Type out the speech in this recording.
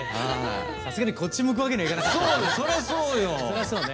さすがにこっち向くわけにはいかなかったですね。